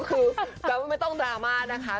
คือแบบไม่ต้องดราม่านะคะ